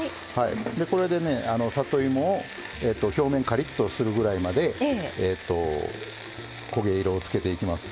これで里芋を表面カリッとするぐらいまで焦げ色をつけていきます。